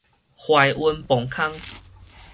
懷恩磅空